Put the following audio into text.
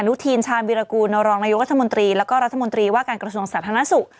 ทีนชาญวิรากูลรองนายกรัฐมนตรีแล้วก็รัฐมนตรีว่าการกระทรวงสาธารณสุข